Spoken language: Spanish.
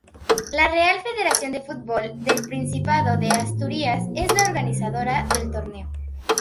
La Real Federación de Fútbol del Principado de Asturias es la organizadora del torneo.